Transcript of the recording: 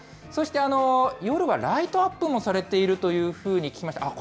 そして夜はライトアップもされているというふうに聞きました。